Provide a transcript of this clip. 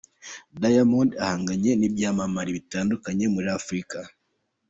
Diamond ahanganye n'ibyamamare bitandukanye muri Afrika.